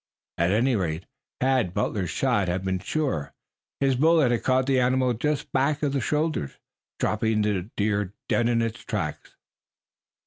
At any rate Tad Butler's shot had been sure. His bullet had caught the animal just back of the shoulder, dropping the deer dead in its tracks.